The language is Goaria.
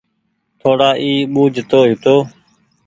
ٿوڙا اي ٻوجه تو هيتو